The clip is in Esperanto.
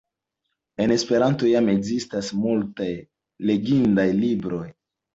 En Esperanto jam ekzistas multaj legindaj libroj.